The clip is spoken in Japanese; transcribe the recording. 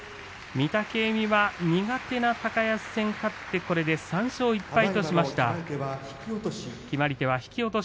御嶽海は苦手な高安戦、勝って３勝１敗となりました。